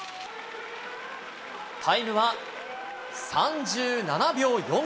タイムは３７秒４９。